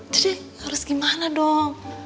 jadi harus gimana dong